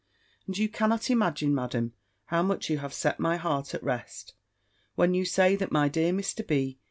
And you cannot imagine. Madam, how much you have set my heart at rest, when you say, that my dear Mr. B.